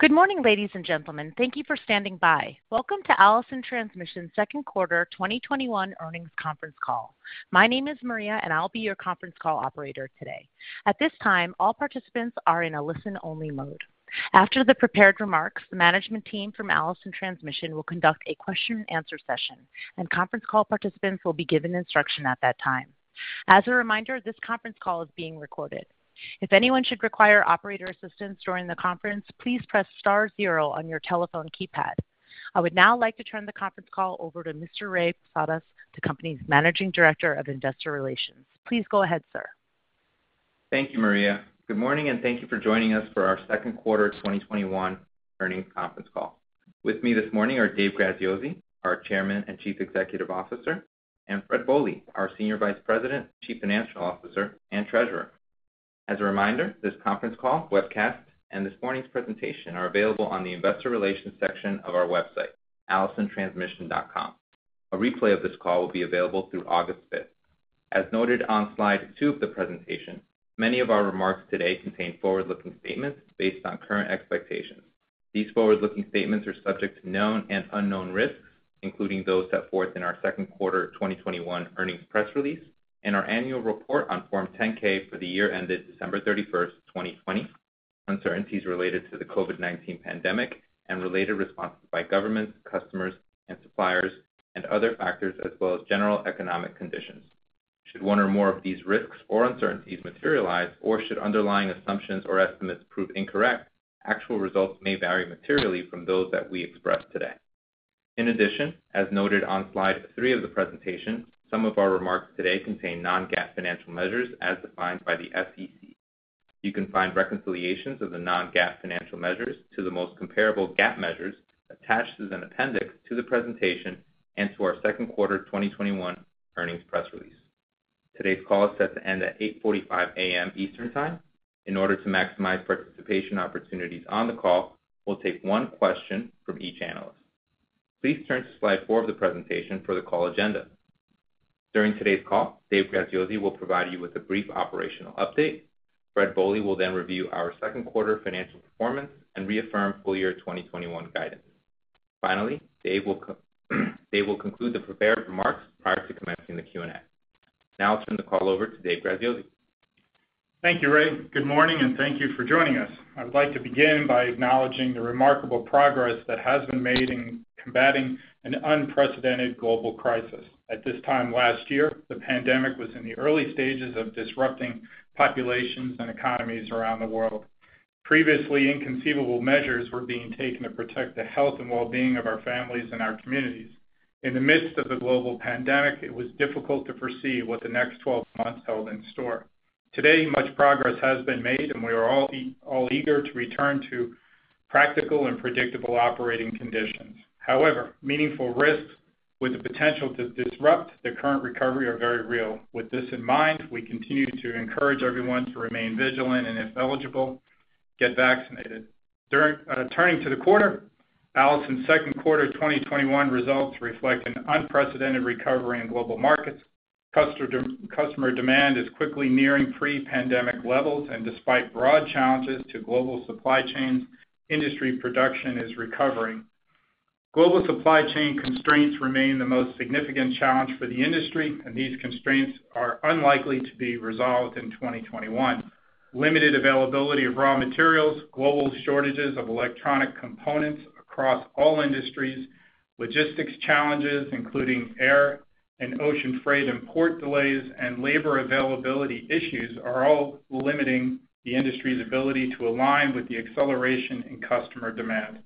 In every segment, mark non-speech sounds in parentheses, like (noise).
Good morning, ladies and gentlemen. Thank you for standing by. Welcome to Allison Transmission Second Quarter 2021 Earnings Conference Call. My name is Maria, and I'll be your conference call operator today. At this time, all participants are in a listen-only mode. After the prepared remarks, the management team from Allison Transmission will conduct a question and answer session, and conference call participants will be given instruction at that time. As a reminder, this conference call is being recorded. If anyone should require operator assistance during the conference, please press star zero on your telephone keypad. I would now like to turn the conference call over to Mr. Ray Posadas, the company's Managing Director of Investor Relations. Please go ahead, sir. Thank you, Maria. Good morning, and thank you for joining us for our second quarter 2021 earnings conference call. With me this morning are Dave Graziosi, our Chairman and Chief Executive Officer, and Fred Bohley, our Senior Vice President, Chief Financial Officer, and Treasurer. As a reminder, this conference call, webcast, and this morning's presentation are available on the investor relations section of our website, allisontransmission.com. A replay of this call will be available through August 5th. As noted on slide 2 of the presentation, many of our remarks today contain forward-looking statements based on current expectations. These forward-looking statements are subject to known and unknown risks, including those set forth in our Q2 2021 earnings press release and our annual report on Form 10-K for the year ended December 31, 2020, uncertainties related to the COVID-19 pandemic and related responses by governments, customers, and suppliers, and other factors, as well as general economic conditions. Should one or more of these risks or uncertainties materialize, or should underlying assumptions or estimates prove incorrect, actual results may vary materially from those that we express today. In addition, as noted on slide 3 of the presentation, some of our remarks today contain non-GAAP financial measures as defined by the SEC. You can find reconciliations of the non-GAAP financial measures to the most comparable GAAP measures attached as an appendix to the presentation and to our Q2 2021 earnings press release. Today's call is set to end at 8:45 A.M. Eastern Time. In order to maximize participation opportunities on the call, we'll take one question from each analyst. Please turn to slide 4 of the presentation for the call agenda. During today's call, Dave Graziosi will provide you with a brief operational update. Fred Boley will then review our second quarter financial performance and reaffirm full year 2021 guidance. Finally, Dave will conclude the prepared remarks prior to commencing the Q&A. Now I'll turn the call over to Dave Graziosi. Thank you, Ray. Good morning, and thank you for joining us. I would like to begin by acknowledging the remarkable progress that has been made in combating an unprecedented global crisis. At this time last year, the pandemic was in the early stages of disrupting populations and economies around the world. Previously inconceivable measures were being taken to protect the health and well-being of our families and our communities. In the midst of the global pandemic, it was difficult to foresee what the next 12 months held in store. Today, much progress has been made, and we are all eager to return to practical and predictable operating conditions. However, meaningful risks with the potential to disrupt the current recovery are very real. With this in mind, we continue to encourage everyone to remain vigilant and, if eligible, get vaccinated. Turning to the quarter, Allison's second quarter 2021 results reflect an unprecedented recovery in global markets. Customer demand is quickly nearing pre-pandemic levels, and despite broad challenges to global supply chains, industry production is recovering. Global supply chain constraints remain the most significant challenge for the industry, and these constraints are unlikely to be resolved in 2021. Limited availability of raw materials, global shortages of electronic components across all industries, logistics challenges, including air and ocean freight and port delays, and labor availability issues are all limiting the industry's ability to align with the acceleration in customer demand.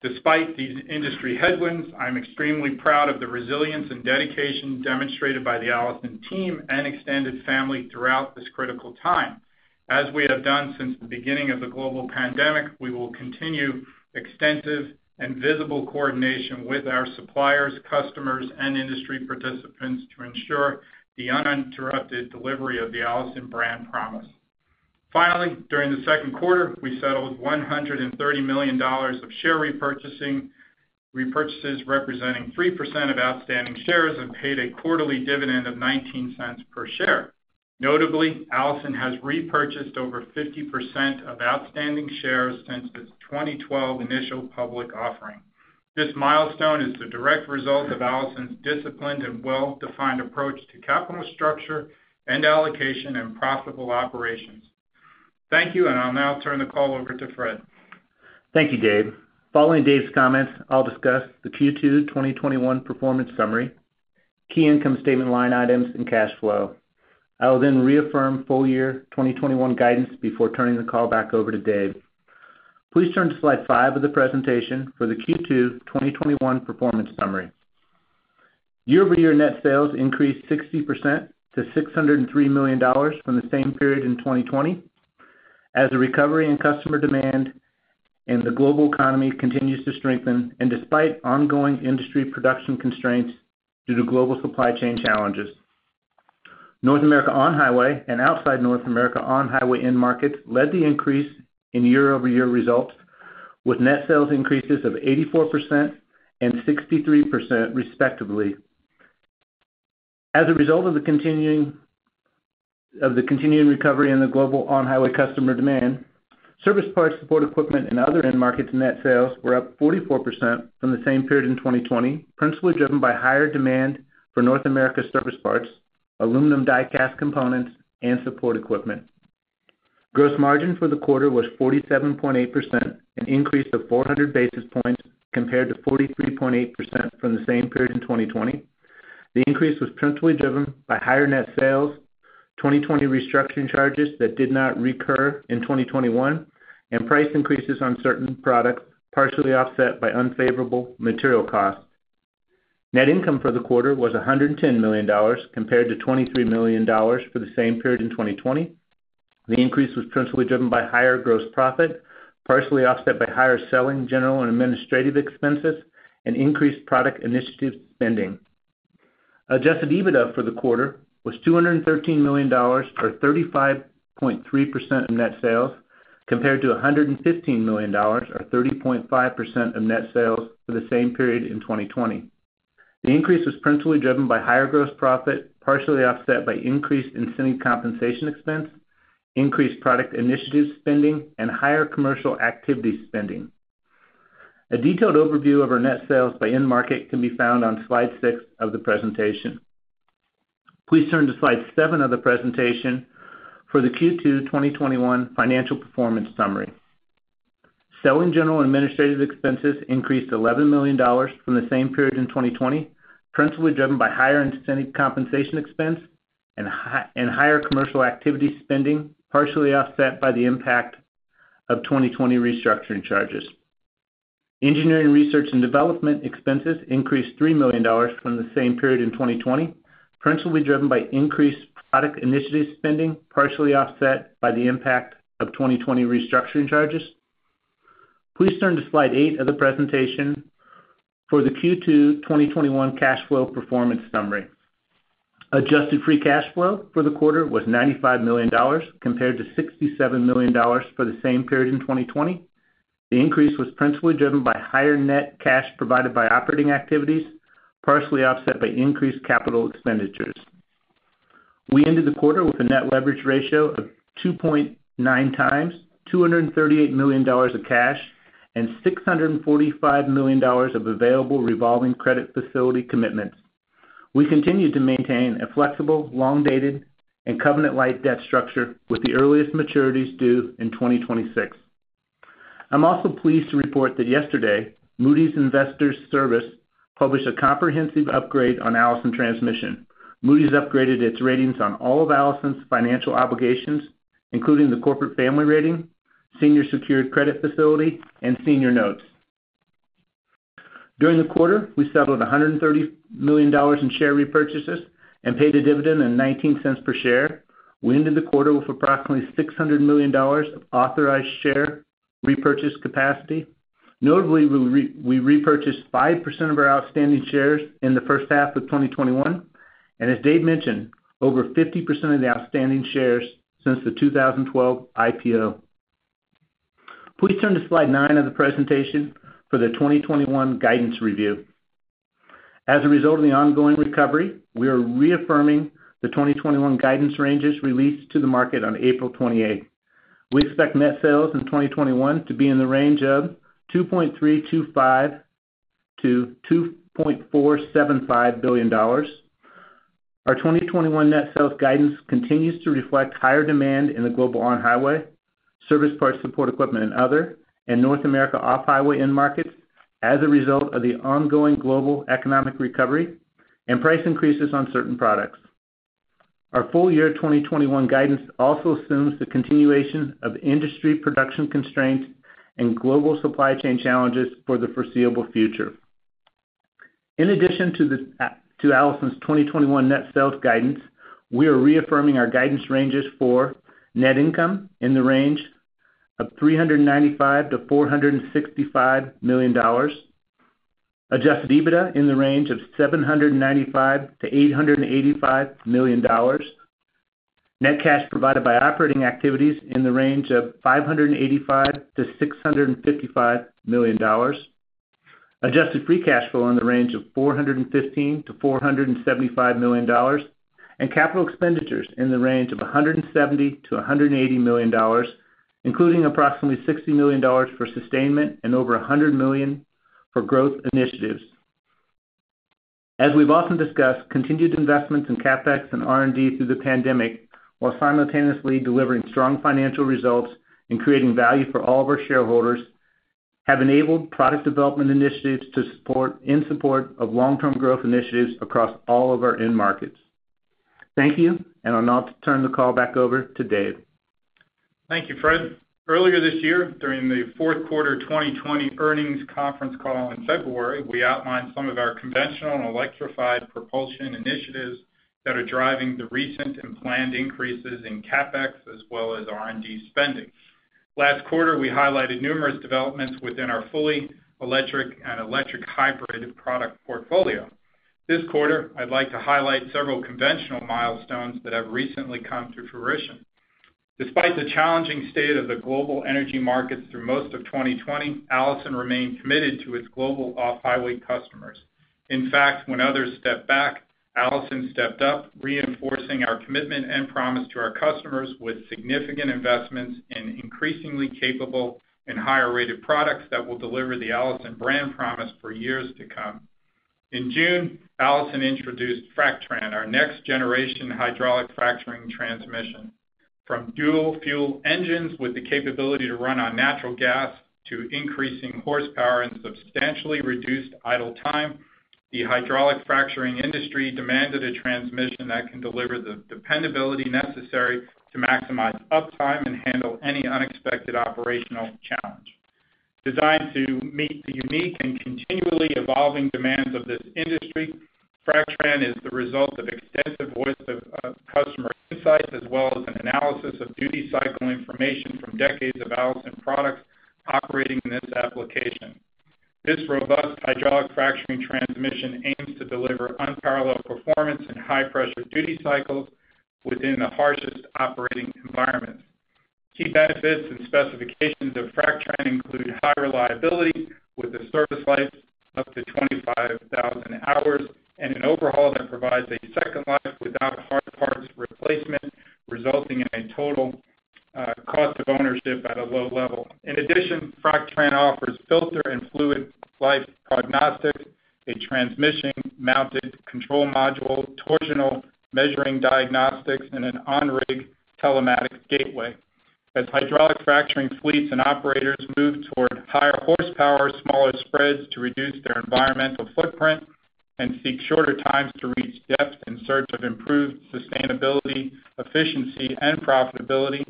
Despite these industry headwinds, I'm extremely proud of the resilience and dedication demonstrated by the Allison team and extended family throughout this critical time. As we have done since the beginning of the global pandemic, we will continue extensive and visible coordination with our suppliers, customers, and industry participants to ensure the uninterrupted delivery of the Allison brand promise. Finally, during the second quarter, we settled $130 million of share repurchases, representing 3% of outstanding shares, and paid a quarterly dividend of $0.19 per share. Notably, Allison has repurchased over 50% of outstanding shares since its 2012 initial public offering. This milestone is the direct result of Allison's disciplined and well-defined approach to capital structure and allocation and profitable operations. Thank you, and I'll now turn the call over to Fred. Thank you, Dave. Following Dave's comments, I'll discuss the Q2 2021 performance summary, key income statement line items, and cash flow. I will then reaffirm full year 2021 guidance before turning the call back over to Dave. Please turn to slide 5 of the presentation for the Q2 2021 performance summary. Year-over-year net sales increased 60% to $603 million from the same period in 2020. As a recovery in customer demand and the global economy continues to strengthen and despite ongoing industry production constraints due to global supply chain challenges. North America on-highway and outside North America on-highway end markets led the increase in year-over-year results with net sales increases of 84% and 63%, respectively. As a result of the continuing recovery in the global on-highway customer demand, service parts, support equipment, and other end markets net sales were up 44% from the same period in 2020, principally driven by higher demand for North America service parts, aluminum die-cast components, and support equipment. Gross margin for the quarter was 47.8%, an increase of 400 basis points compared to 43.8% from the same period in 2020. The increase was principally driven by higher net sales, 2020 restructuring charges that did not recur in 2021, and price increases on certain products, partially offset by unfavorable material costs. Net income for the quarter was $110 million, compared to $23 million for the same period in 2020. The increase was principally driven by higher gross profit, partially offset by higher selling, general, and administrative expenses and increased product initiative spending. Adjusted EBITDA for the quarter was $213 million, or 35.3% of net sales, compared to $115 million, or 30.5% of net sales for the same period in 2020. The increase was principally driven by higher gross profit, partially offset by increased incentive compensation expense, increased product initiative spending, and higher commercial activity spending. A detailed overview of our net sales by end market can be found on slide 6 of the presentation. Please turn to slide 7 of the presentation for the Q2 2021 financial performance summary. Selling, general, and administrative expenses increased $11 million from the same period in 2020, principally driven by higher incentive compensation expense and higher commercial activity spending, partially offset by the impact of 2020 restructuring charges. Engineering research and development expenses increased $3 million from the same period in 2020, principally driven by increased product initiative spending, partially offset by the impact of 2020 restructuring charges. Please turn to slide 8 of the presentation for the Q2 2021 cash flow performance summary. Adjusted free cash flow for the quarter was $95 million, compared to $67 million for the same period in 2020. The increase was principally driven by higher net cash provided by operating activities, partially offset by increased capital expenditures. We ended the quarter with a net leverage ratio of 2.9 times, $238 million of cash, and $645 million of available revolving credit facility commitments. We continue to maintain a flexible, long-dated, and covenant light debt structure with the earliest maturities due in 2026. I'm also pleased to report that yesterday, Moody's Investors Service published a comprehensive upgrade on Allison Transmission. Moody's upgraded its ratings on all of Allison's financial obligations, including the corporate family rating, senior secured credit facility, and senior notes. During the quarter, we settled $130 million in share repurchases and paid a dividend of $0.19 per share. We ended the quarter with approximately $600 million of authorized share repurchase capacity. Notably, we repurchased 5% of our outstanding shares in the first half of 2021, as Dave mentioned, over 50% of the outstanding shares since the 2012 IPO. Please turn to slide 9 of the presentation for the 2021 guidance review. As a result of the ongoing recovery, we are reaffirming the 2021 guidance ranges released to the market on April 28th. We expect net sales in 2021 to be in the range of $2.325 billion-$2.475 billion. Our 2021 net sales guidance continues to reflect higher demand in the global on-highway service parts, support equipment, and other, and North America off-highway end markets as a result of the ongoing global economic recovery and price increases on certain products. Our full year 2021 guidance also assumes the continuation of industry production constraints and global supply chain challenges for the foreseeable future. In addition to Allison's 2021 net sales guidance, we are reaffirming our guidance ranges for net income in the range of $395 million-$465 million, Adjusted EBITDA in the range of $795 million-$885 million, net cash provided by operating activities in the range of $585 million-$655 million, adjusted free cash flow in the range of $415 million-$475 million, and capital expenditures in the range of $170 million-$180 million, including approximately $60 million for sustainment and over $100 million for growth initiatives. As we've often discussed, continued investments in CapEx and R&D through the pandemic while simultaneously delivering strong financial results and creating value for all of our shareholders have enabled product development initiatives in support of long-term growth initiatives across all of our end markets. Thank you. I'll now turn the call back over to Dave. Thank you, Fred. Earlier this year, during the fourth quarter 2020 earnings conference call in February, we outlined some of our conventional and electrified propulsion initiatives that are driving the recent and planned increases in CapEx as well as R&D spending. Last quarter, we highlighted numerous developments within our fully electric and electric hybrid product portfolio. This quarter, I'd like to highlight several conventional milestones that have recently come to fruition. Despite the challenging state of the global energy markets through most of 2020, Allison remained committed to its global off-highway customers. In fact, when others stepped back, Allison stepped up, reinforcing our commitment and promise to our customers with significant investments in increasingly capable and higher-rated products that will deliver the Allison brand promise for years to come. In June, Allison introduced FracTran, our next-generation hydraulic fracturing transmission. From dual-fuel engines with the capability to run on natural gas to increasing horsepower and substantially reduced idle time, the hydraulic fracturing industry demanded a transmission that can deliver the dependability necessary to maximize uptime and handle any unexpected operational challenge. Designed to meet the unique and continually evolving demands of this industry, FracTran is the result of extensive voice of customer insights as well as an analysis of duty cycle information from decades of Allison products operating in this application. This robust hydraulic fracturing transmission aims to deliver unparalleled performance and high-pressure duty cycles within the harshest operating environments. Key benefits and specifications of FracTran include high reliability with a service life up to 25,000 hours and an overhaul that provides a second life without hard parts replacement, resulting in a total cost of ownership at a low level. In addition, FracTran offers filter and fluid life prognostics, a transmission-mounted control module, torsional measuring diagnostics, and an on-rig telematic gateway. As hydraulic fracturing fleets and operators move toward higher horsepower, smaller spreads to reduce their environmental footprint, and seek shorter times to reach depth in search of improved sustainability, efficiency, and profitability,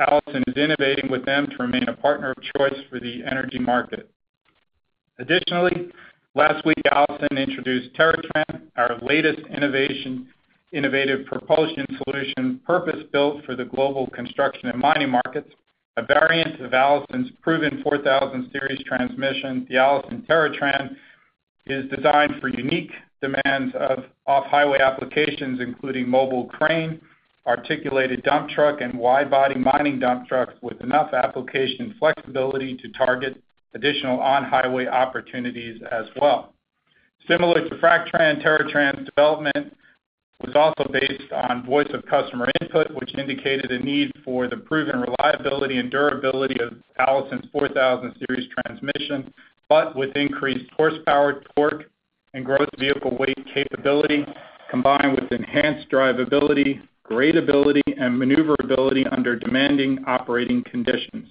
Allison is innovating with them to remain a partner of choice for the energy market. Additionally, last week, Allison introduced TerraTran, our latest innovative propulsion solution, purpose-built for the global construction and mining markets. A variant of Allison's proven 4000 Series transmission, the Allison TerraTran is designed for unique demands of off-highway applications, including mobile crane, articulated dump truck, and wide-body mining dump trucks with enough application flexibility to target additional on-highway opportunities as well. Similar to FracTran, TerraTran's development was also based on voice of customer input, which indicated a need for the proven reliability and durability of Allison's 4000 Series transmission, but with increased horsepower, torque, and gross vehicle weight capability, combined with enhanced drivability, gradability, and maneuverability under demanding operating conditions.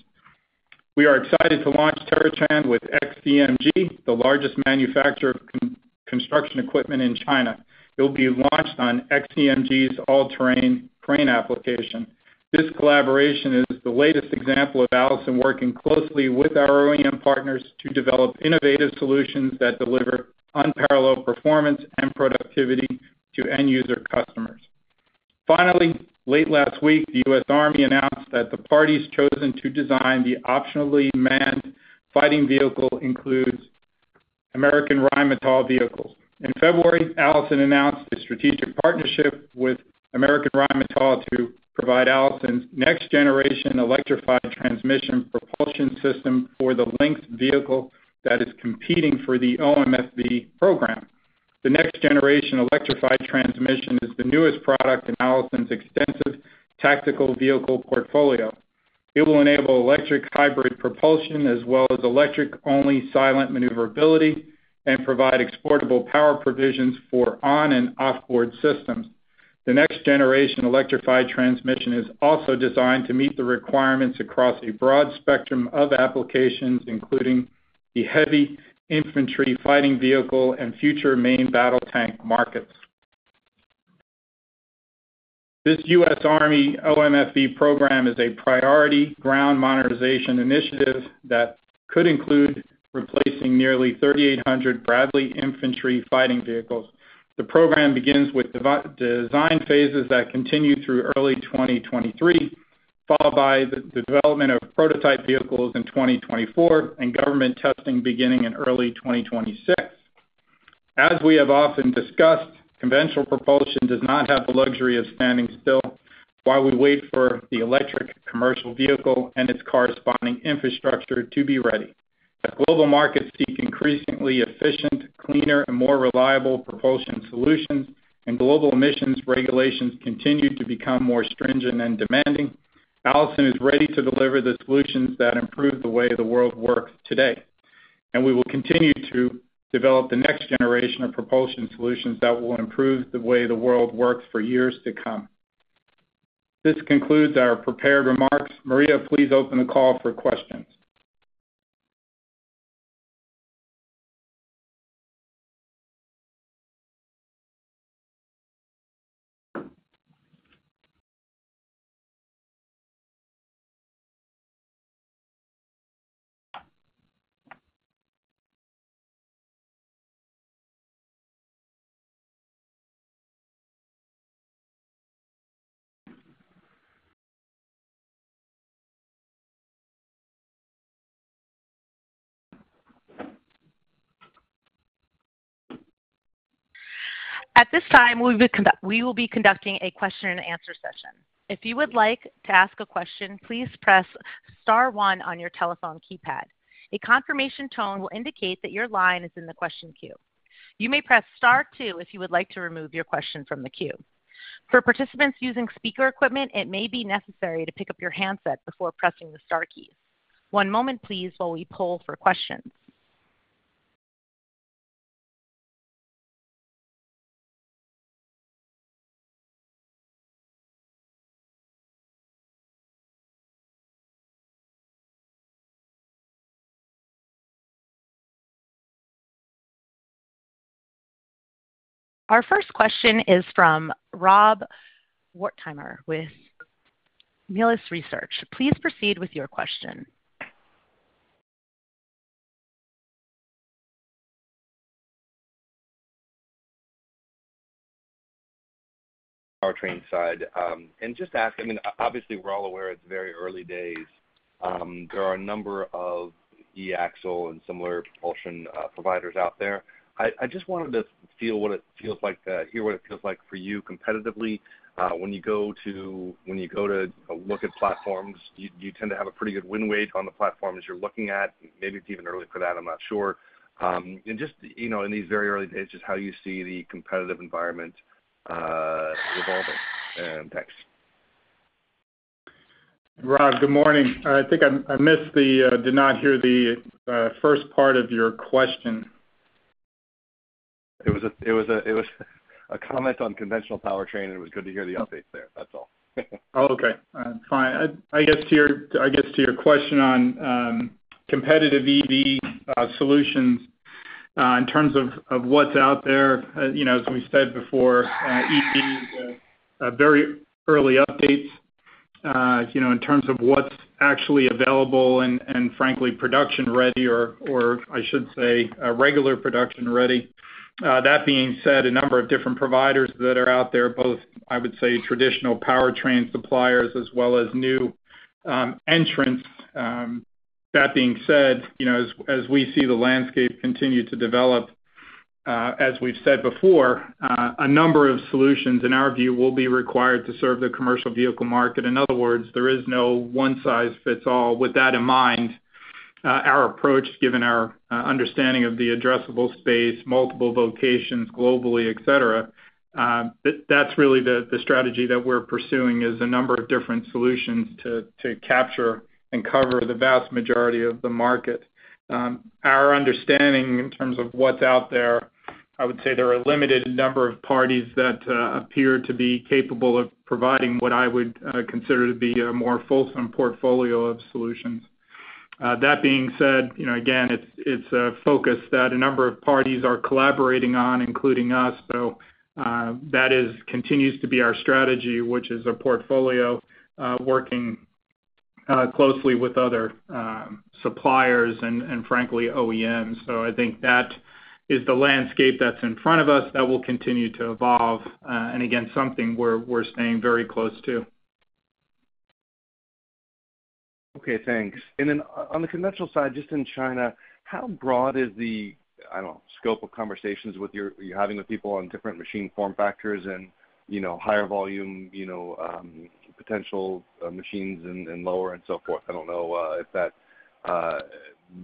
We are excited to launch TerraTran with XCMG, the largest manufacturer of construction equipment in China. It will be launched on XCMG's all-terrain crane application. This collaboration is the latest example of Allison working closely with our OEM partners to develop innovative solutions that deliver unparalleled performance and productivity to end user customers. Finally, late last week, the U.S. Army announced that the parties chosen to design the Optionally Manned Fighting Vehicle includes American Rheinmetall Vehicles. In February, Allison announced a strategic partnership with American Rheinmetall to provide Allison's next-generation electrified transmission propulsion system for the Lynx vehicle that is competing for the OMFV program. The next-generation electrified transmission is the newest product in Allison's extensive tactical vehicle portfolio. It will enable electric hybrid propulsion as well as electric-only silent maneuverability and provide exportable power provisions for on and off-board systems. The next-generation electrified transmission is also designed to meet the requirements across a broad spectrum of applications, including the heavy infantry fighting vehicle and future main battle tank markets. This U.S. Army OMFV program is a priority ground modernization initiative that could include replacing nearly 3,800 Bradley infantry fighting vehicles. The program begins with design phases that continue through early 2023, followed by the development of prototype vehicles in 2024 and government testing beginning in early 2026. As we have often discussed, conventional propulsion does not have the luxury of standing still while we wait for the electric commercial vehicle and its corresponding infrastructure to be ready. As global markets seek increasingly efficient, cleaner, and more reliable propulsion solutions and global emissions regulations continue to become more stringent and demanding, Allison is ready to deliver the solutions that improve the way the world works today. We will continue to develop the next generation of propulsion solutions that will improve the way the world works for years to come. This concludes our prepared remarks. Maria, please open the call for questions. At this time we will be conducting a question and answer session. If you would like to ask a question please press star one on your telephone keypad. A confirmation tone will indicate your question is in the question queue. You may press star two if you would like to remove yourself from the queue. For participants using speaker equipment it may be necessary to pick up your handset before pressing the keys. One moment please as we poll for questions. Our first question is from Robert Wertheimer with Melius Research. Please proceed with your question. Powertrain side. Just ask, obviously we're all aware it's very early days. There are a number of e-axle and similar propulsion providers out there. I just wanted to hear what it feels like for you competitively. When you go to look at platforms, do you tend to have a pretty good win rate on the platforms you're looking at? Maybe it's even early for that, I'm not sure. Just, in these very early days, just how you see the competitive environment evolving (inaudible) Rob, good morning. I think I did not hear the first part of your question. It was a comment on conventional powertrain, and it was good to hear the updates there. That's all. Okay. All right, fine. I guess to your question on competitive EV solutions, in terms of what's out there, as we've said before, EVs are very early updates. In terms of what's actually available and frankly production-ready or, I should say, regular production ready. That being said, a number of different providers that are out there, both, I would say, traditional powertrain suppliers as well as new entrants. That being said, as we see the landscape continue to develop, as we've said before, a number of solutions in our view will be required to serve the commercial vehicle market. In other words, there is no one size fits all. With that in mind, our approach, given our understanding of the addressable space, multiple locations globally, et cetera, that's really the strategy that we're pursuing, is a number of different solutions to capture and cover the vast majority of the market. Our understanding in terms of what's out there, I would say there are a limited number of parties that appear to be capable of providing what I would consider to be a more fulsome portfolio of solutions. That being said, again, it's a focus that a number of parties are collaborating on, including us. That continues to be our strategy, which is a portfolio, working closely with other suppliers and frankly, OEMs. I think that is the landscape that's in front of us that will continue to evolve. Again, something we're staying very close to. Okay, thanks. On the conventional side, just in China, how broad is the, I don't know, scope of conversations you're having with people on different machine form factors and higher volume potential machines and lower and so forth? I don't know if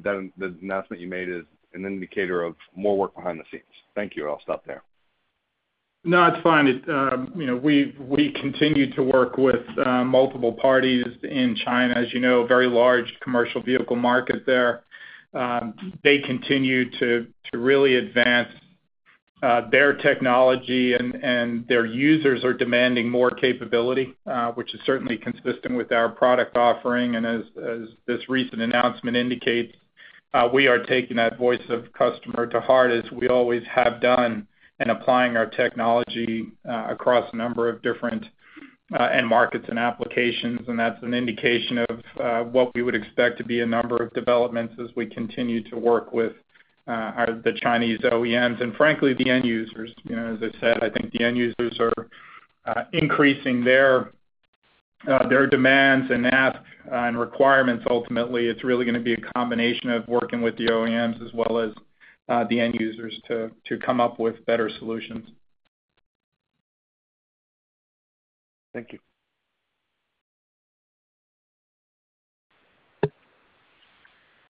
the announcement you made is an indicator of more work behind the scenes. Thank you. I'll stop there. No, it's fine. We continue to work with multiple parties in China. As you know, very large commercial vehicle market there. They continue to really advance their technology, and their users are demanding more capability, which is certainly consistent with our product offering. As this recent announcement indicates, we are taking that voice of customer to heart as we always have done, and applying our technology across a number of different end markets and applications. That's an indication of what we would expect to be a number of developments as we continue to work with the Chinese OEMs and frankly, the end users. As I said, I think the end users are increasing their demands and requirements. Ultimately, it's really going to be a combination of working with the OEMs as well as the end users to come up with better solutions. Thank you.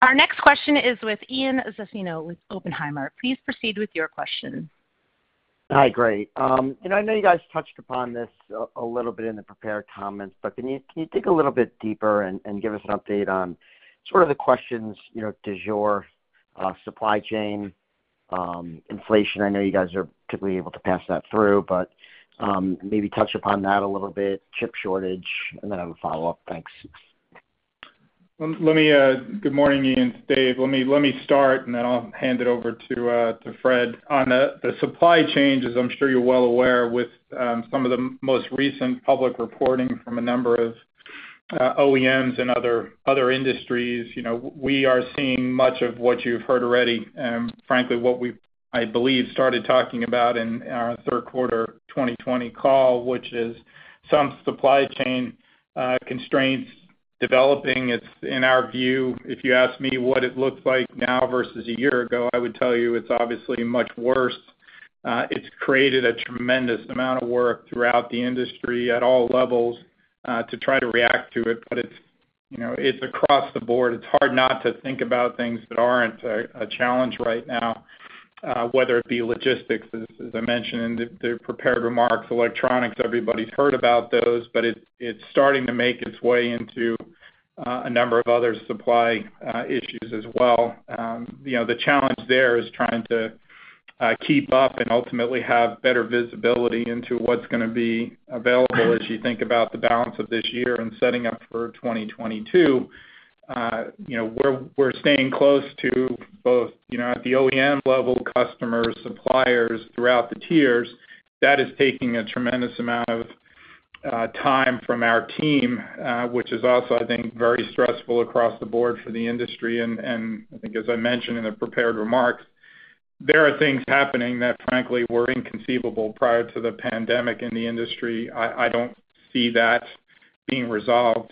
Our next question is with Ian Zaffino with Oppenheimer. Please proceed with your question. Hi. Great. I know you guys touched upon this a little bit in the prepared comments, but can you dig a little bit deeper and give us an update on sort of the questions, does your supply chain inflation, I know you guys are typically able to pass that through, but maybe touch upon that a little bit, chip shortage, and then I have a follow-up. Thanks. Good morning, Ian. It's Dave. Let me start, and then I'll hand it over to Fred. On the supply chains, as I'm sure you're well aware with some of the most recent public reporting from a number of OEMs and other industries, we are seeing much of what you've heard already, frankly what we, I believe, started talking about in our third quarter 2020 call, which is some supply chain constraints developing. It's in our view, if you ask me what it looks like now versus a year ago, I would tell you it's obviously much worse. It's created a tremendous amount of work throughout the industry at all levels to try to react to it, but it's across the board. It's hard not to think about things that aren't a challenge right now, whether it be logistics, as I mentioned in the prepared remarks, electronics, everybody's heard about those, but it's starting to make its way into a number of other supply issues as well. The challenge there is trying to keep up and ultimately have better visibility into what's going to be available as you think about the balance of this year and setting up for 2022. We're staying close to both at the OEM level customers, suppliers throughout the tiers. That is taking a tremendous amount of time from our team, which is also, I think, very stressful across the board for the industry. I think as I mentioned in the prepared remarks, there are things happening that frankly were inconceivable prior to the pandemic in the industry. I don't see that being resolved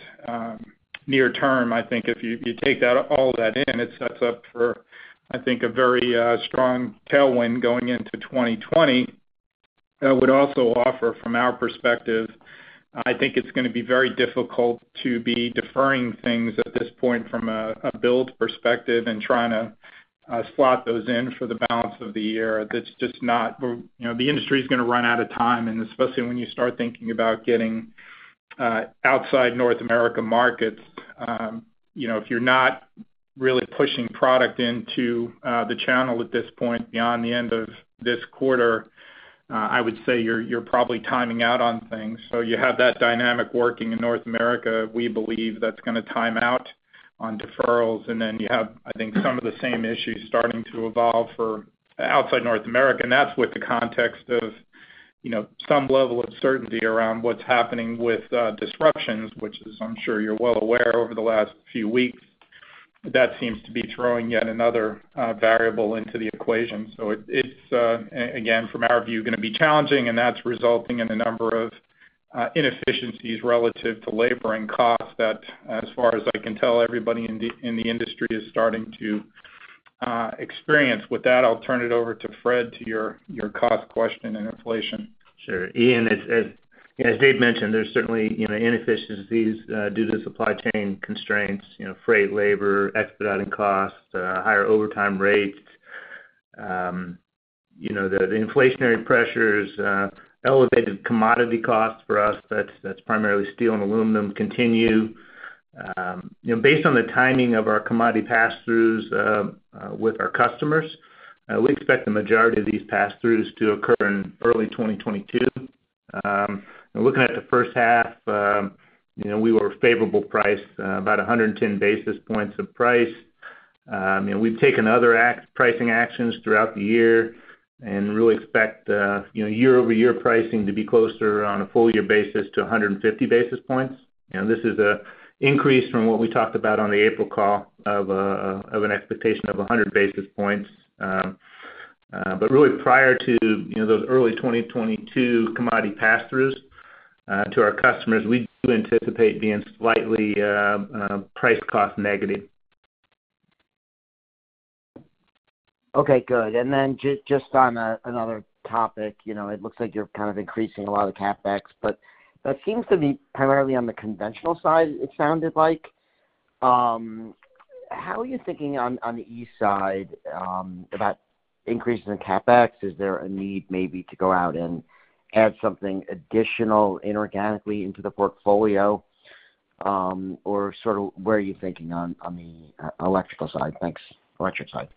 near term. I think if you take all that in, it sets up for, I think, a very strong tailwind going into 2020. I would also offer from our perspective, I think it's going to be very difficult to be deferring things at this point from a build perspective and trying to slot those in for the balance of the year. The industry's going to run out of time and especially when you start thinking about getting outside North America markets. If you're not really pushing product into the channel at this point beyond the end of this quarter, I would say you're probably timing out on things. You have that dynamic working in North America. We believe that's going to time out on deferrals. You have, I think, some of the same issues starting to evolve for outside North America. That's with the context of some level of certainty around what's happening with disruptions, which as I'm sure you're well aware over the last few weeks, that seems to be throwing yet another variable into the equation. It's, again, from our view, going to be challenging and that's resulting in a number of inefficiencies relative to labor and cost that as far as I can tell everybody in the industry is starting to experience. With that, I'll turn it over to Fred to your cost question and inflation. Sure. Ian, as Dave mentioned, there's certainly inefficiencies due to supply chain constraints, freight, labor, expediting costs, higher overtime rates. The inflationary pressures, elevated commodity costs for us, that's primarily steel and aluminum continue. Based on the timing of our commodity pass-throughs with our customers, we expect the majority of these pass-throughs to occur in early 2022. Looking at the first half, we were favorable price, about 110 basis points of price. We've taken other pricing actions throughout the year and really expect year-over-year pricing to be closer on a full-year basis to 150 basis points. This is an increase from what we talked about on the April call of an expectation of 100 basis points. Really prior to those early 2022 commodity pass-throughs to our customers, we do anticipate being slightly price cost negative. Okay, good. Just on another topic, it looks like you're kind of increasing a lot of CapEx, but it seems to be primarily on the conventional side, it sounded like. How are you thinking on the E side about increasing the CapEx? Is there a need maybe to go out and add something additional inorganically into the portfolio? Sort of where are you thinking on the electrical side? Thanks. Electric side.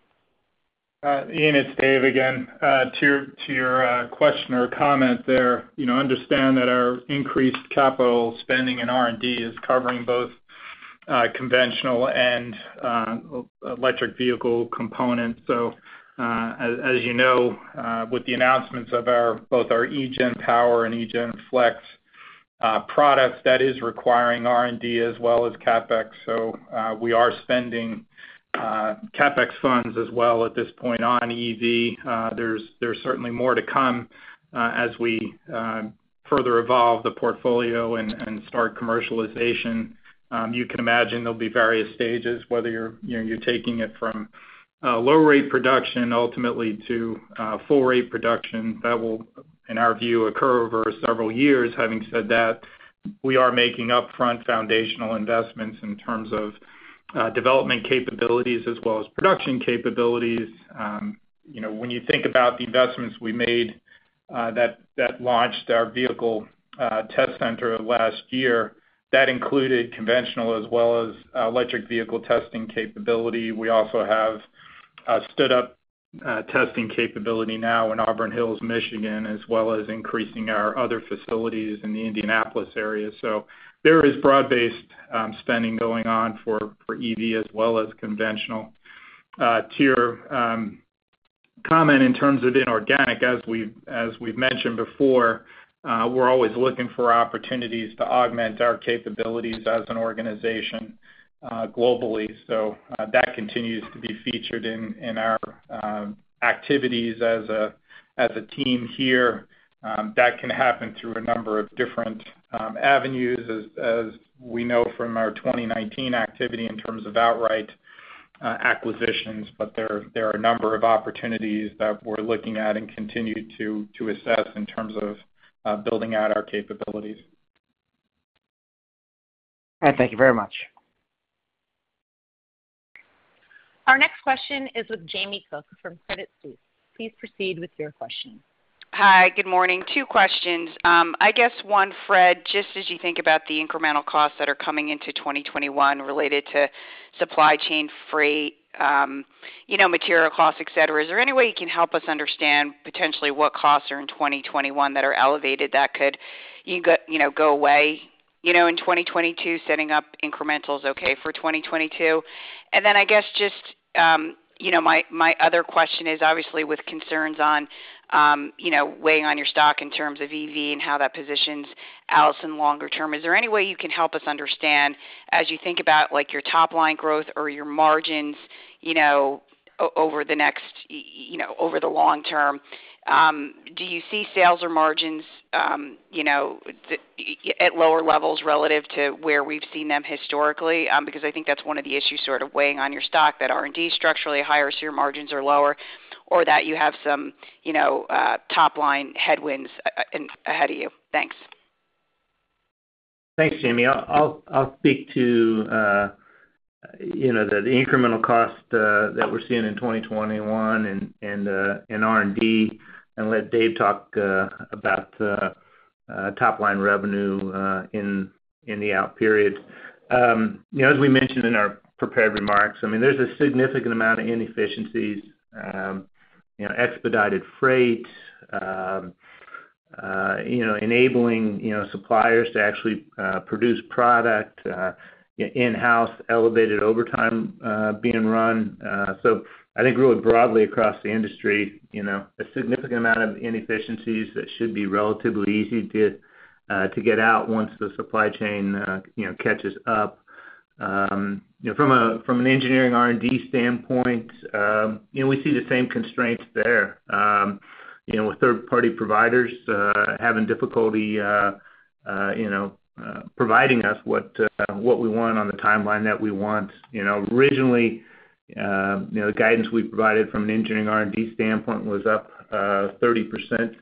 Ian, it's Dave again. To your question or comment there, understand that our increased capital spending in R&D is covering both conventional and electric vehicle components. As you know with the announcements of both our eGen Power and eGen Flex products, that is requiring R&D as well as CapEx. We are spending CapEx funds as well at this point on EV. There's certainly more to come as we further evolve the portfolio and start commercialization. You can imagine there'll be various stages whether you're taking it from low rate production ultimately to full rate production. That will, in our view, occur over several years. Having said that, we are making upfront foundational investments in terms of development capabilities as well as production capabilities. When you think about the investments we made that launched our vehicle test center last year, that included conventional as well as electric vehicle testing capability. We also have stood up testing capability now in Auburn Hills, Michigan, as well as increasing our other facilities in the Indianapolis area. There is broad-based spending going on for EV as well as conventional tier. Comment in terms of inorganic, as we've mentioned before, we're always looking for opportunities to augment our capabilities as an organization globally. That continues to be featured in our activities as a team here. That can happen through a number of different avenues as we know from our 2019 activity in terms of outright acquisitions, but there are a number of opportunities that we're looking at and continue to assess in terms of building out our capabilities. All right. Thank you very much. Our next question is with Jamie Cook from Credit Suisse. Please proceed with your question. Hi. Good morning. Two questions. I guess one, Fred, just as you think about the incremental costs that are coming into 2021 related to supply chain freight, material costs, et cetera, is there any way you can help us understand potentially what costs are in 2021 that are elevated that could go away in 2022, setting up incrementals okay for 2022? I guess just my other question is obviously with concerns on weighing on your stock in terms of EV and how that positions Allison longer term, is there any way you can help us understand as you think about your top-line growth or your margins, over the long term, do you see sales or margins at lower levels relative to where we've seen them historically? Because I think that's one of the issues sort of weighing on your stock, that R&D is structurally higher, so your margins are lower, or that you have some top-line headwinds ahead of you. Thanks. Thanks, Jamie. I'll speak to the incremental cost that we're seeing in 2021 and in R&D and let Dave talk about top-line revenue in the out periods. As we mentioned in our prepared remarks, there's a significant amount of inefficiencies, expedited freight, enabling suppliers to actually produce product in-house, elevated overtime being run. I think really broadly across the industry a significant amount of inefficiencies that should be relatively easy to get out once the supply chain catches up. From an engineering R&D standpoint we see the same constraints there with third-party providers having difficulty providing us what we want on the timeline that we want. Originally the guidance we provided from an engineering R&D standpoint was up 30%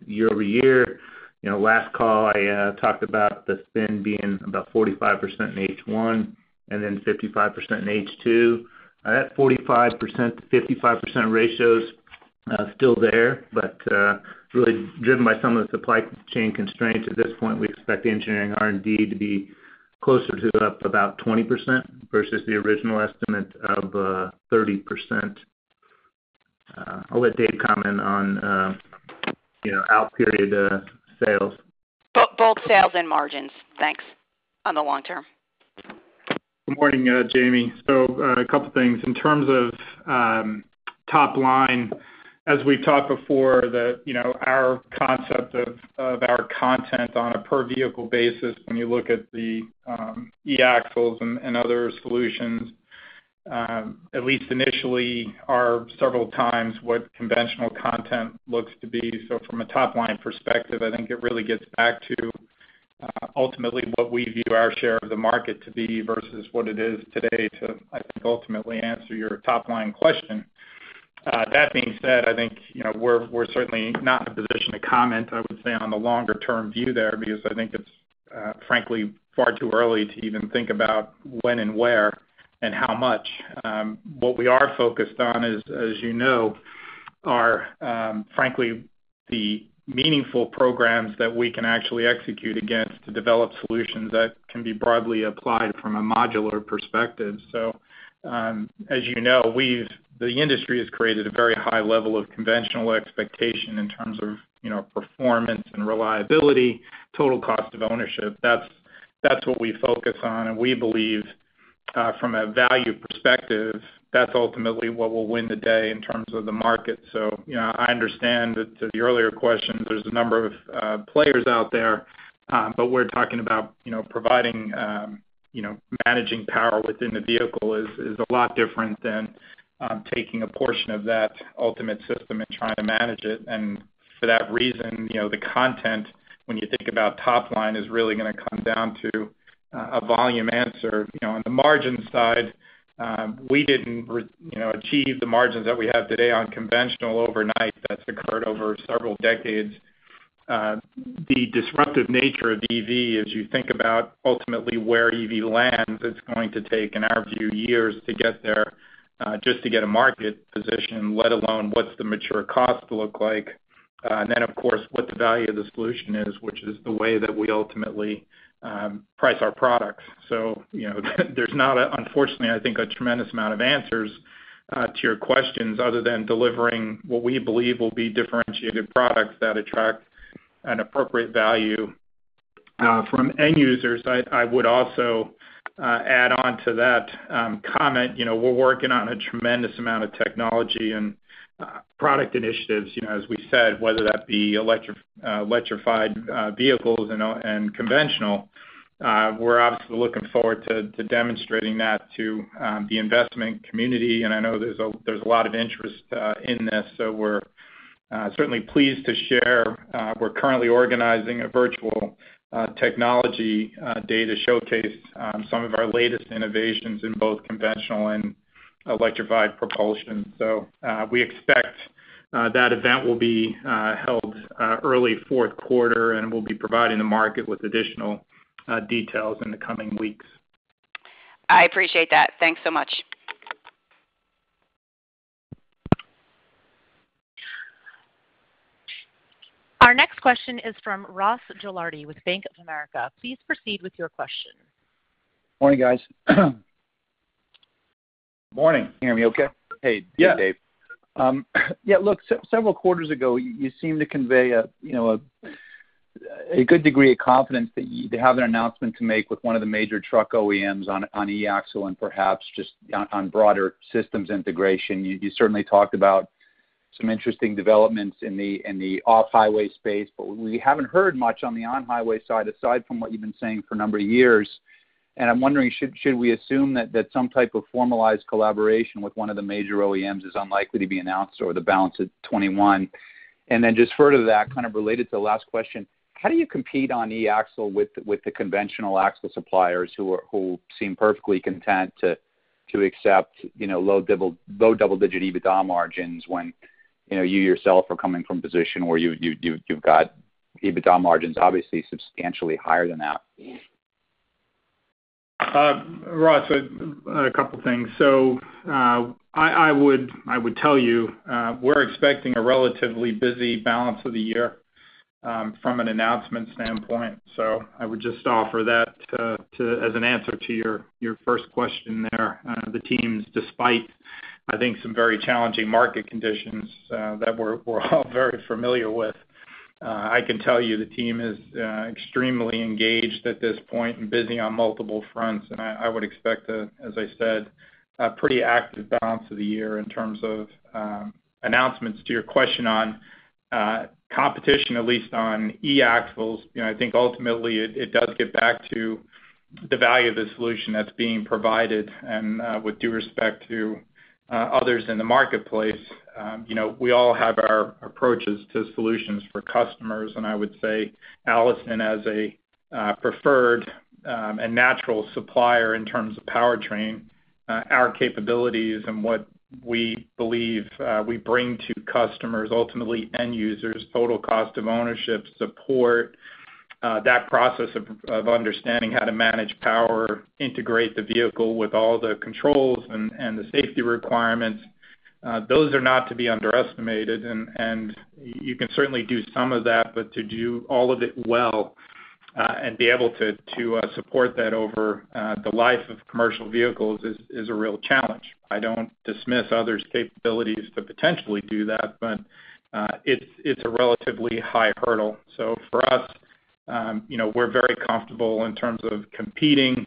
year-over-year. Last call, I talked about the spend being about 45% in H1 and then 55% in H2. That 45%-55% ratio is still there, but really driven by some of the supply chain constraints at this point, we expect engineering R&D to be closer to up about 20% versus the original estimate of 30%. I'll let Dave comment on out period sales. Both sales and margins. Thanks. On the long term. Good morning Jamie. A couple things. In terms of top line, as we've talked before, our concept of our content on a per vehicle basis when you look at the e-axles and other solutions, at least initially are several times what conventional content looks to be. From a top-line perspective, I think it really gets back to ultimately what we view our share of the market to be versus what it is today to, I think, ultimately answer your top-line question. That being said, I think we're certainly not in a position to comment, I would say, on the longer-term view there, because I think it's frankly far too early to even think about when and where and how much. What we are focused on, as you know, are frankly the meaningful programs that we can actually execute against to develop solutions that can be broadly applied from a modular perspective. As you know, the industry has created a very high level of conventional expectation in terms of performance and reliability, total cost of ownership. That's what we focus on, and we believe from a value perspective, that's ultimately what will win the day in terms of the market. I understand that to the earlier question, there's a number of players out there, but we're talking about providing, managing power within the vehicle is a lot different than taking a portion of that ultimate system and trying to manage it. For that reason, the content when you think about top line, is really going to come down to a volume answer. On the margin side, we didn't achieve the margins that we have today on conventional overnight. That's occurred over several decades. The disruptive nature of EV, as you think about ultimately where EV lands, it's going to take, in our view, years to get there, just to get a market position, let alone what's the mature cost look like. Of course, what the value of the solution is, which is the way that we ultimately price our products. There's not, unfortunately, I think, a tremendous amount of answers to your questions other than delivering what we believe will be differentiated products that attract an appropriate value from end users. I would also add on to that comment, we're working on a tremendous amount of technology and product initiatives, as we said, whether that be electrified vehicles and conventional. We're obviously looking forward to demonstrating that to the investment community, and I know there's a lot of interest in this. Certainly pleased to share. We're currently organizing a virtual technology data showcase on some of our latest innovations in both conventional and electrified propulsion. We expect that event will be held early fourth quarter, and we'll be providing the market with additional details in the coming weeks. I appreciate that. Thanks so much. Our next question is from Ross Gilardi with Bank of America. Please proceed with your question. Morning, guys. Morning. Can you hear me okay? Yeah. Hey, Dave. Look, several quarters ago, you seemed to convey a good degree of confidence that you'd have an announcement to make with one of the major truck OEMs on e-axle and perhaps just on broader systems integration. You certainly talked about some interesting developments in the off-highway space, we haven't heard much on the on-highway side, aside from what you've been saying for a number of years. I'm wondering, should we assume that some type of formalized collaboration with one of the major OEMs is unlikely to be announced over the balance of 2021? Just further to that, kind of related to the last question, how do you compete on e-axle with the conventional axle suppliers who seem perfectly content to accept low double-digit EBITDA margins when you yourself are coming from a position where you've got EBITDA margins obviously substantially higher than that? Ross, a couple of things. I would tell you we're expecting a relatively busy balance of the year from an announcement standpoint. I would just offer that as an answer to your first question there. The teams, despite, I think some very challenging market conditions that we're all very familiar with, I can tell you the team is extremely engaged at this point and busy on multiple fronts. I would expect, as I said, a pretty active balance of the year in terms of announcements. To your question on competition, at least on e-axles, I think ultimately it does get back to the value of the solution that's being provided. With due respect to others in the marketplace, we all have our approaches to solutions for customers. I would say Allison, as a preferred and natural supplier in terms of powertrain, our capabilities and what we believe we bring to customers, ultimately end users, total cost of ownership, support that process of understanding how to manage power, integrate the vehicle with all the controls and the safety requirements. Those are not to be underestimated, and you can certainly do some of that. To do all of it well and be able to support that over the life of commercial vehicles is a real challenge. I don't dismiss others' capabilities to potentially do that, but it's a relatively high hurdle. For us, we're very comfortable in terms of competing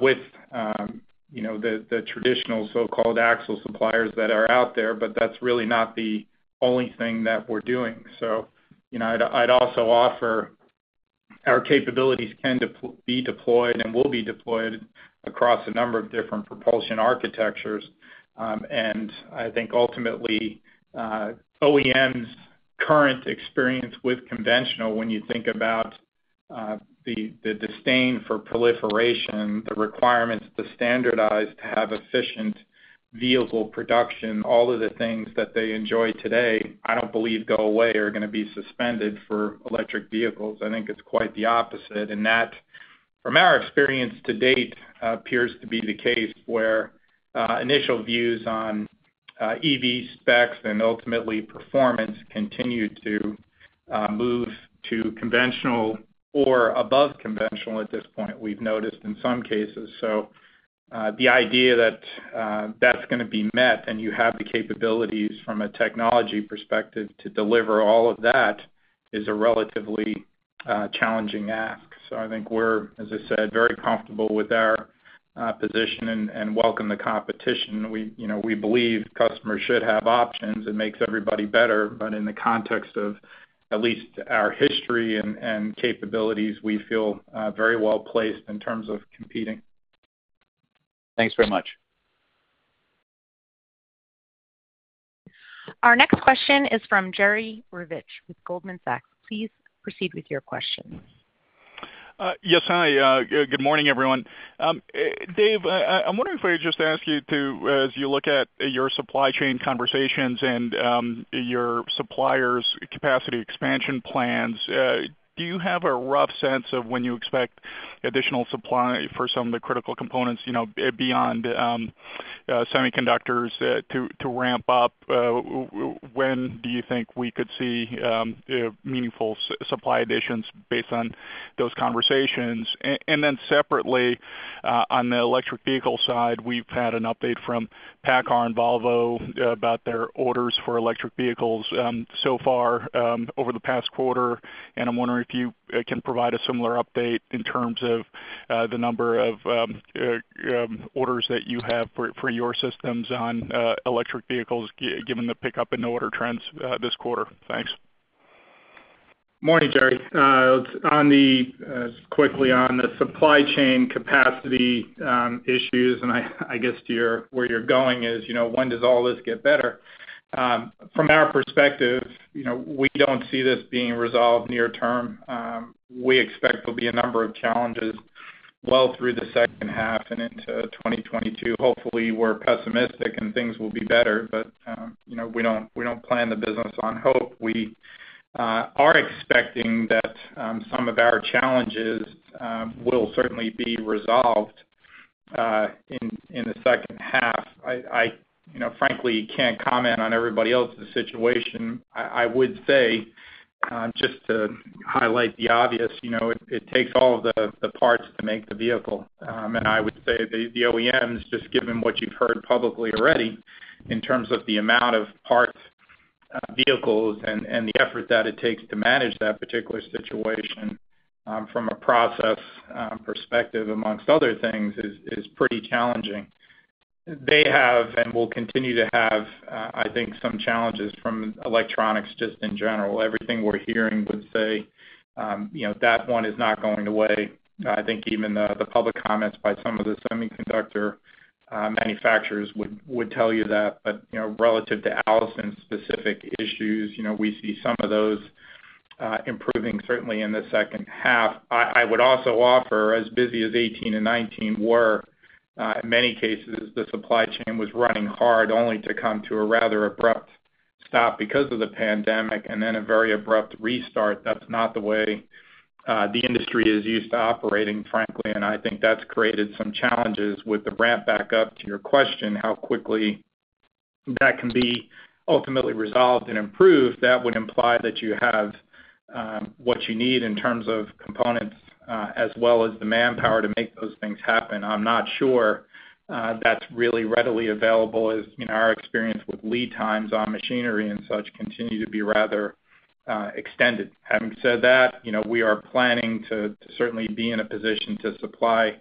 with the traditional so-called axle suppliers that are out there, but that's really not the only thing that we're doing. I'd also offer our capabilities can be deployed and will be deployed across a number of different propulsion architectures. I think ultimately, OEMs current experience with conventional, when you think about the disdain for proliferation, the requirements to standardize to have efficient vehicle production, all of the things that they enjoy today, I don't believe go away or are going to be suspended for electric vehicles. I think it's quite the opposite. That, from our experience to date, appears to be the case where initial views on EV specs and ultimately performance continue to move to conventional or above conventional at this point, we've noticed in some cases. The idea that that's going to be met and you have the capabilities from a technology perspective to deliver all of that is a relatively challenging ask. I think we're, as I said, very comfortable with our position and welcome the competition. We believe customers should have options. It makes everybody better. In the context of at least our history and capabilities, we feel very well-placed in terms of competing. Thanks very much. Our next question is from Jerry Revich with Goldman Sachs. Please proceed with your question. Yes. Hi. Good morning, everyone. Dave, I'm wondering if I could just ask you to, as you look at your supply chain conversations and your suppliers' capacity expansion plans, do you have a rough sense of when you expect additional supply for some of the critical components beyond semiconductors to ramp up? When do you think we could see meaningful supply additions based on those conversations? Separately, on the electric vehicle side, we've had an update from Paccar and Volvo about their orders for electric vehicles so far over the past quarter, and I'm wondering if you can provide a similar update in terms of the number of orders that you have for your systems on electric vehicles, given the pickup in the order trends this quarter. Thanks. Morning, Jerry. Quickly on the supply chain capacity issues, I guess where you're going is, when does all this get better? From our perspective, we don't see this being resolved near term. We expect there'll be a number of challenges well through the second half and into 2022. Hopefully, we're pessimistic and things will be better. We don't plan the business on hope. We are expecting that some of our challenges will certainly be resolved in the second half. I frankly can't comment on everybody else's situation. I would say, just to highlight the obvious, it takes all of the parts to make the vehicle. I would say the OEMs, just given what you've heard publicly already in terms of the amount of parts, vehicles, and the effort that it takes to manage that particular situation from a process perspective amongst other things is pretty challenging. They have and will continue to have, I think, some challenges from electronics just in general. Everything we're hearing would say that one is not going away. I think even the public comments by some of the semiconductor manufacturers would tell you that. Relative to Allison's specific issues, we see some of those improving certainly in the second half. I would also offer, as busy as 2018 and 2019 were, in many cases the supply chain was running hard only to come to a rather abrupt stop because of the pandemic and then a very abrupt restart. That's not the way the industry is used to operating, frankly, and I think that's created some challenges with the ramp back up. To your question, how quickly that can be ultimately resolved and improved, that would imply that you have what you need in terms of components as well as the manpower to make those things happen. I'm not sure that's really readily available as in our experience with lead times on machinery and such continue to be rather extended. Having said that, we are planning to certainly be in a position to supply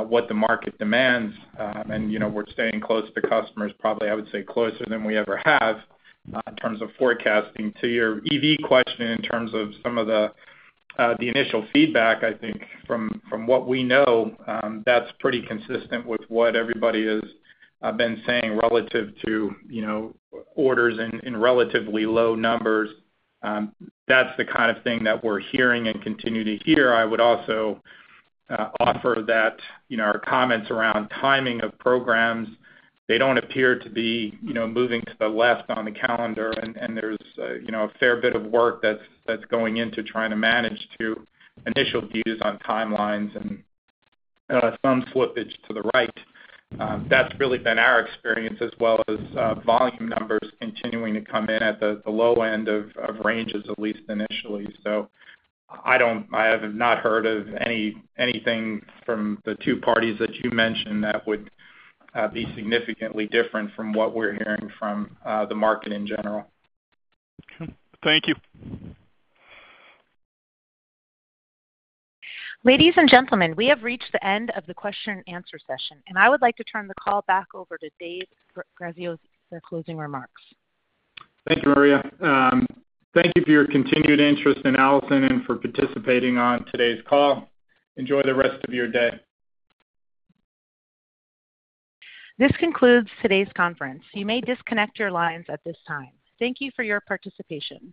what the market demands. We're staying close to customers, probably I would say closer than we ever have in terms of forecasting. To your EV question in terms of some of the initial feedback, I think from what we know, that's pretty consistent with what everybody has been saying relative to orders in relatively low numbers. That's the kind of thing that we're hearing and continue to hear. I would also offer that our comments around timing of programs, they don't appear to be moving to the left on the calendar, and there's a fair bit of work that's going into trying to manage to initial views on timelines and some slippage to the right. That's really been our experience as well as volume numbers continuing to come in at the low end of ranges, at least initially. So I have not heard of anything from the two parties that you mentioned that would be significantly different from what we're hearing from the market in general. Okay. Thank you. Ladies and gentlemen, we have reached the end of the question and answer session. I would like to turn the call back over to Dave Graziosi for closing remarks. Thank you, Maria. Thank you for your continued interest in Allison and for participating on today's call. Enjoy the rest of your day. This concludes today's conference. You may disconnect your lines at this time. Thank you for your participation.